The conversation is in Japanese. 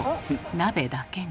鍋だけに。